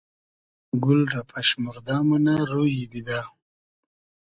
گول رۂ پئشموردۂ مونۂ رویی دیدۂ